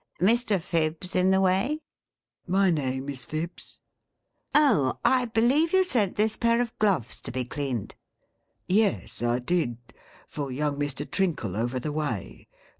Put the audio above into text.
' Mr. Phibbs in the way T ' My name is Phibbs.' ' Oh ! I believe you sent this pair of gloves to be cleaned V ' Yes, I did, for young Mr. Trinkle over the way.